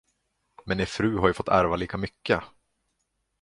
Men er fru har ju fått ärva lika mycket.